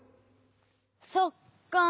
そっか。